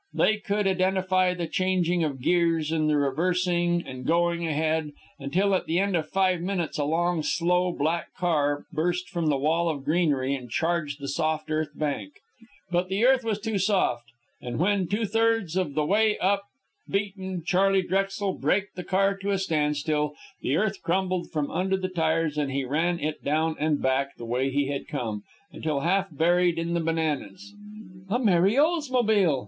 They could identify the changing of gears and the reversing and going ahead, until, at the end of five minutes, a long low, black car burst from the wall of greenery and charged the soft earth bank, but the earth was too soft, and when, two thirds of the way up, beaten, Charley Drexel braked the car to a standstill, the earth crumbled from under the tires, and he ran it down and back, the way he had come, until half buried in the bananas. "'A Merry Oldsmobile!'"